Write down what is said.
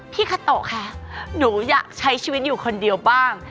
คาโตะคะหนูอยากใช้ชีวิตอยู่คนเดียวบ้าง